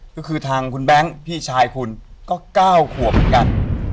ก็คือทางคุณแบงค์พี่ชายคุณก็๙ขวบเหมือนกัน